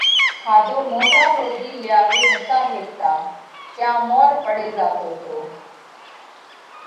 کاڌو مونڍا ۿُوڌِي لياوي نتا هيڪتا تيا مور پڙي زاتو تو۔